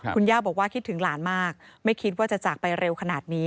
คุณย่าบอกว่าคิดถึงหลานมากไม่คิดว่าจะจากไปเร็วขนาดนี้